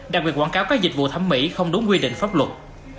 đặc biệt quảng cáo các dịch vụ thẩm mỹ không đúng quy định pháp luật